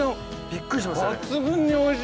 びっくりしますよね。